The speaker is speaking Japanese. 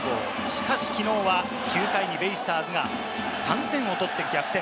しかし、きのうは９回にベイスターズが３点を取って逆転。